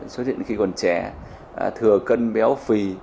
cho nên khi còn trẻ thừa cân béo phì